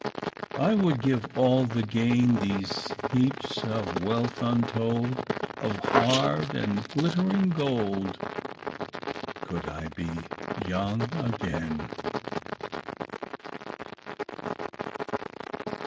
"I would give all the gain, These heaps of wealth untold Of hard and glittering gold, Could I be young again!"